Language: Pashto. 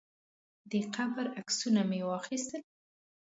د قبر عکسونه مې واخیستل.